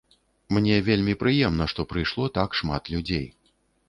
Мне вельмі прыемна, што прыйшло так шмат людзей.